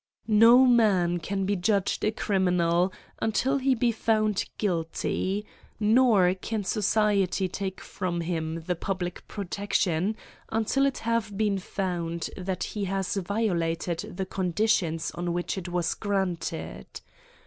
No man can be judged a criminal until he be found guilty ; nor can society take from him the public protection until it have been proved that he has violated the conditions on which it was granted.